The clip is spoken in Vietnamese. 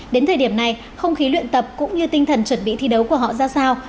đến thời điểm này không khí luyện tập cũng như tinh thần chuẩn bị thi đấu của họ ra sao